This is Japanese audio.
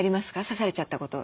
刺されちゃったこと。